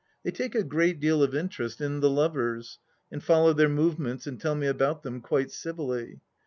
They take a great deal of interest in " The Lovers," and follow their movements and tell me about them, quite civilly.